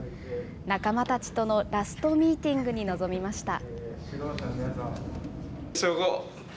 仲間たちとのラストミーティングに臨みました。